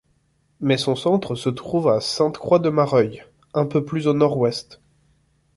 Mais son centre se trouve à Sainte-Croix-de-Mareuil un peu plus au nord-ouest.